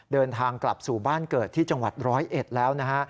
เดินทางกลับสู่บ้านเกิดที่จังหวัดร้อยเอ็ดแล้วนะฮะ